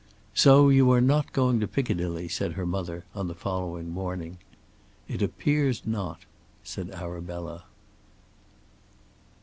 "So you are not going to Piccadilly," said her mother on the following morning. "It appears not," said Arabella.